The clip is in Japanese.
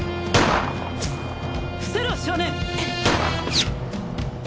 伏せろ少年！